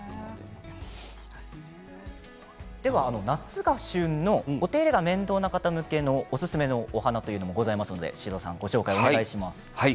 では夏が旬のお手入れが面倒な方向けのおすすめのお花もございますので宍戸さん、ご紹介をお願いします。